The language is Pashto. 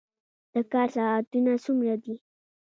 د کار ساعتونه څومره دي؟